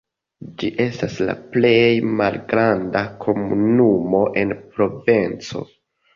Ĝi estas la plej malgranda komunumo en la provinco.